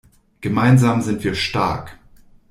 Gemeinsam sind wir stark.